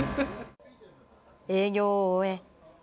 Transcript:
営業を終え。